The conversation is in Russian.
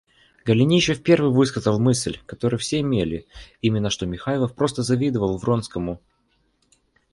Голенищев первый высказал мысль, которую все имели, именно, что Михайлов просто завидовал Вронскому.